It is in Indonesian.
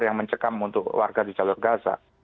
yang mencekam untuk warga di jalur gaza